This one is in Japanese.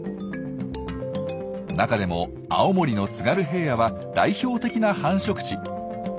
中でも青森の津軽平野は代表的な繁殖地。